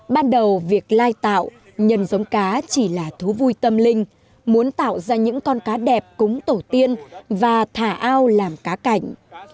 ban đầu việc lai tạo nhân giống cá chỉ là thú vui tâm linh muốn tạo ra những con cá đẹp cúng tổ tiên và thả ao làm cá cảnh